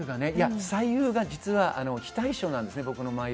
左右が実は非対称なんです、僕の眉毛。